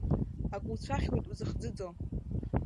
Акы уцәахьуеит узыхӡыӡо.